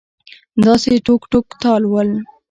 داسې ټوک ټوک تال ول